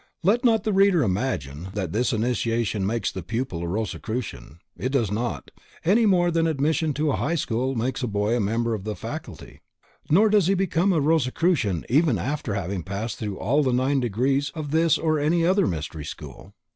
Let not the reader imagine that this initiation makes the pupil a Rosicrucian, it does not, any more than admission to a High School makes a boy a member of the faculty. Nor does he become a Rosicrucian even after having passed through all the nine degrees of this or any other Mystery School.